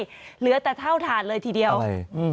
แล้วเหลือแต่เท่าทานเลยทีเดียวอะไร